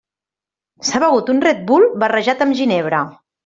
S'ha begut un Red Bull barrejat amb ginebra.